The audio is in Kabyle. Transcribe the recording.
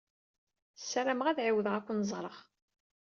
Sarameɣ ad ɛiwdeɣ ad ken-ẓṛeɣ.